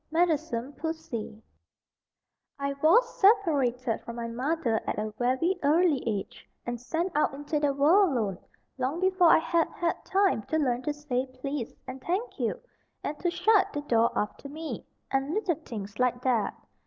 Meddlesome Pussy I WAS separated from my mother at a very early age, and sent out into the world alone, long before I had had time to learn to say "please" and "thank you," and to shut the door after me, and little things like that.